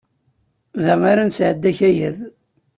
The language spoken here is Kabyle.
Da ara nesɛeddi akayad.